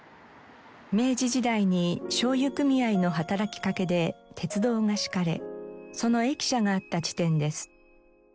明治時代に醤油組合の働きかけで鉄道が敷かれその駅舎があった地点です。